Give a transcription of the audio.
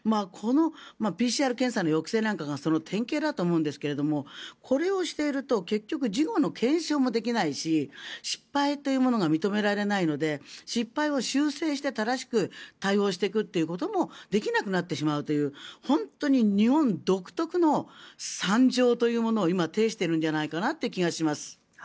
ＰＣＲ検査の抑制なんかがその典型だと思うんですけどそれをしていると結局、事後の検証もできないし失敗というものが認められないので失敗を修正して正しく対応していくということもできなくなってしまうという本当に日本独特の惨状というものを今、呈しているんじゃないかなという気がします。